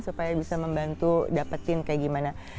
supaya bisa membantu dapetin kayak gimana